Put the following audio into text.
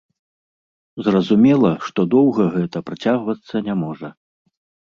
Зразумела, што доўга гэта працягвацца не можа.